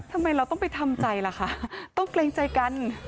ทำไมเราต้องไปทำใจล่ะคะต้องเกรงใจกัน